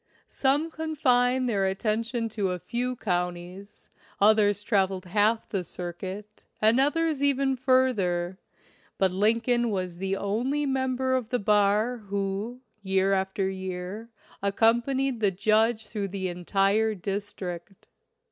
Some confined their attention to a few counties, others traveled half the circuit, and others even further ; but Lin coln was the only member of the bar who, year after year, accompanied the judge through the entire district.